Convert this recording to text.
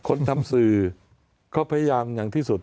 คนทำสื่อก็พยายามอย่างที่สุด